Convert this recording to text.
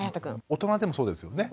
大人でもそうですよね？